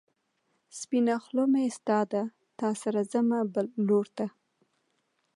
سپينه خلۀ مې ستا ده، تا سره ځمه بل لور ته